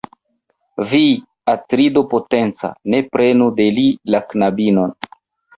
Vi, Atrido potenca, ne prenu de li la knabinon.